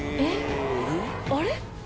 あれ？